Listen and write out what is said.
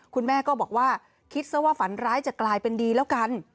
คุณแม่ก็บอกว่าคิดซะว่าฝันร้ายจะกลายเป็นดีแล้วกัน